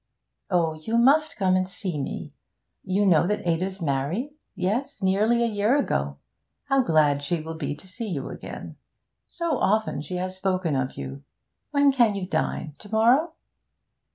'Oh, you must come and see me. You know that Ada's married? Yes, nearly a year ago. How glad she will be to see you again. So often she has spoken of you. When can you dine? To morrow?'